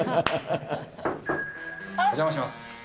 お邪魔します。